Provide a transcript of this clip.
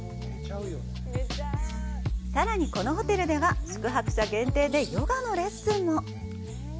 さらに、このホテルでは、宿泊者限定でヨガのレッスンも。